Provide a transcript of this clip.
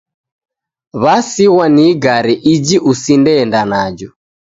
Wasighwa ni igare iji usinde enda najo.